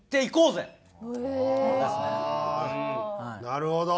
なるほど。